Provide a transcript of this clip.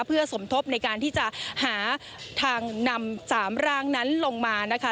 เพื่อสมทบในการที่จะหาทางนำ๓ร่างนั้นลงมานะคะ